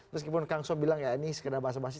meskipun kang sob bilang ini sekedar bahasa bahasi